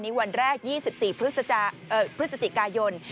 วันแรก๒๔พฤศจิกายน